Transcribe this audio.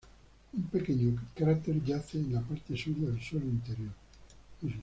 Un pequeño cráter yace en la parte sur del suelo interior.